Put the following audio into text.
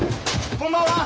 こんばんは！